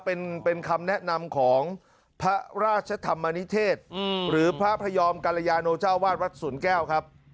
เป็นคำแนะนำของพระราชธรรมนิเทศหรือพระพระยอมกรยาโนเจ้าวาดวัดศูนย์แก้วครับ